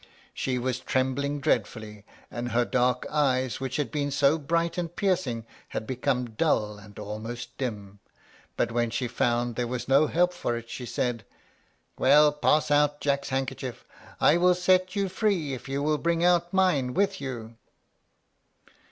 She was trembling dreadfully, and her dark eyes, which had been so bright and piercing, had become dull and almost dim; but when she found there was no help for it, she said, "Well, pass out Jack's handkerchief. I will set you free if you will bring out mine with you."